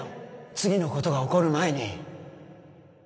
次のことが起こる前に